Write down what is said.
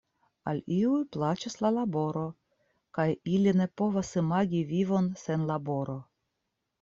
Al iuj plaĉas la laboro kaj ili ne povas imagi vivon sen laboro.